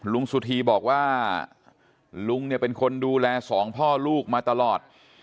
สุธีบอกว่าลุงเนี่ยเป็นคนดูแลสองพ่อลูกมาตลอด